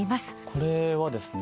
これはですね